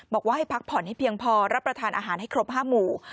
บอกว่าให้พักผ่อนให้เพียงพอรับประทานอาหารให้ครบ๕หมู่